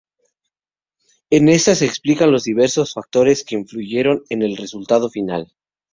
En esta se explican los diversos factores que influyeron en el resultado final.